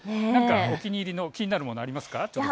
お気に入りの気になるものありますか。